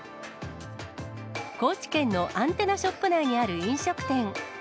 高知県のアンテナショップ内にある飲食店。